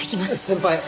先輩